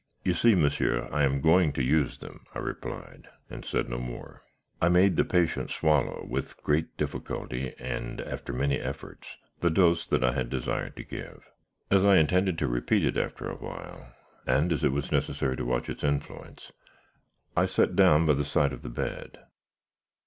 "'You see, monsieur, I am going to use them,' I replied, and said no more. "I made the patient swallow, with great difficulty, and after many efforts, the dose that I desired to give. As I intended to repeat it after a while, and as it was necessary to watch its influence, I then sat down by the side of the bed.